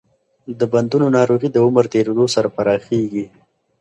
د بندونو ناروغي د عمر تېریدو سره پراخېږي.